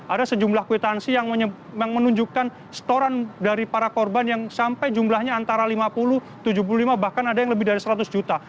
ada sejumlah kwitansi yang menunjukkan setoran dari para korban yang sampai jumlahnya antara lima puluh tujuh puluh lima bahkan ada yang lebih dari seratus juta